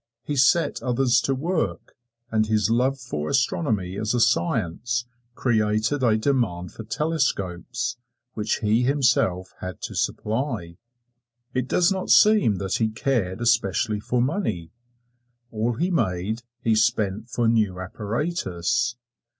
He set others to work, and his love for astronomy as a science created a demand for telescopes, which he himself had to supply. It does not seem that he cared especially for money all he made he spent for new apparatus.